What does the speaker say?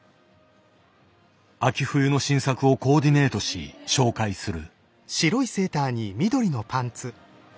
秋冬の新作をコーディネートし紹介する。